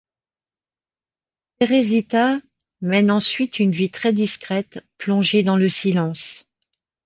Teresita mène ensuite une vie très discrète, plongée dans le silence.